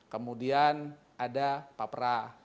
kemudian ada papera